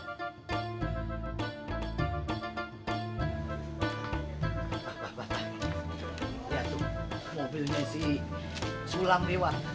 lihat tuh mobilnya si sulam nih wak